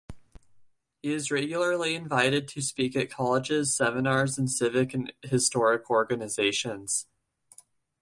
He is regularly invited to speak at colleges, seminars, and civic and historic organizations.